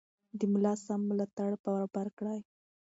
د ملا سم ملاتړ برابر کړئ.